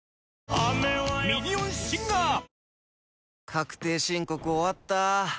確定申告終わった。